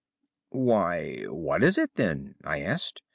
"'Why, what is it, then?' I asked.